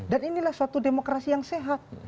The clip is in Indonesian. dan inilah suatu demokrasi yang sehat